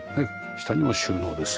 下にも収納です。